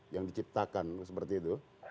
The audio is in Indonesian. yang diciptakan seperti itu